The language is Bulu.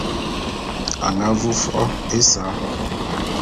A nga vu fo’o ésa.